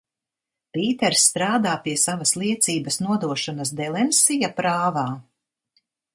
Pīters strādā pie savas liecības nodošanas Delensija prāvā?